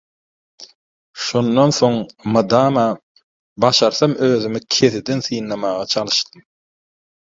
Şondan soň, mydama, başarsam özümi keseden synlamaga çalyşdym.